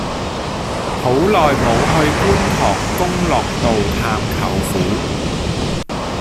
好耐無去觀塘功樂道探舅父